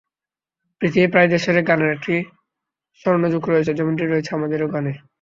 পৃথিবীর প্রায় দেশেরই গানের একটি স্বর্ণযুগ রয়েছে, যেমনটি রয়েছে আমাদের গানেও।